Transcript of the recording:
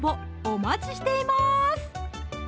お待ちしています